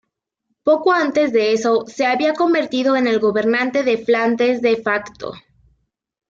Poco antes de eso se había convertido en el gobernante de Flandes de facto.